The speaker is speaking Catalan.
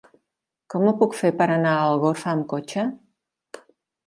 Com ho puc fer per anar a Algorfa amb cotxe?